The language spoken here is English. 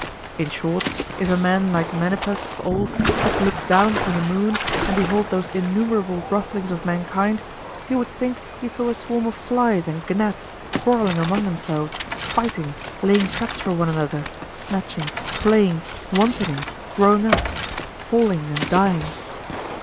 In short, if a man like Menippus of old could look down from the moon and behold those innumerable rufflings of mankind, he would think he saw a swarm of flies and gnats quarreling among themselves, fighting, laying traps for one another, snatching, playing, wantoning, growing up, falling, and dying.